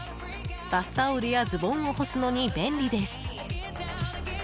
バスタオルやズボンを干すのに便利です。